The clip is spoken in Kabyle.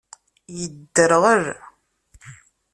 Yedderɣel.